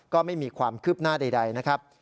ก็ไม่มีความคืบหน้าใดนะครับ